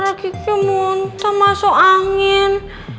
gara gara gigi muntah masuk angin